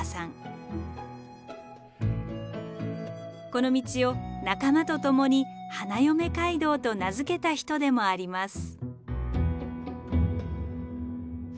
この道を仲間と共に「花嫁街道」と名付けた人でもあります。